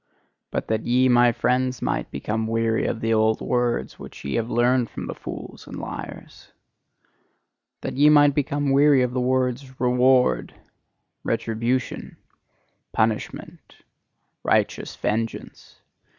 But that ye, my friends, might become weary of the old words which ye have learned from the fools and liars: That ye might become weary of the words "reward," "retribution," "punishment," "righteous vengeance."